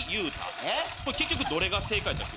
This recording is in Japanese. これ結局どれが正解やったっけ？